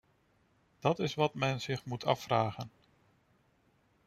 Dat is wat men zich moet afvragen.